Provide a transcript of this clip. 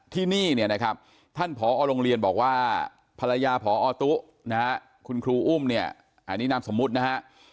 ที่นี่เนี่ยนะครับท่านผอโรงเรียนบอกว่าภรรยาพอตุ๊นะฮะคุณครูอุ้มเนี่ยอันนี้นามสมมุตินะฮะ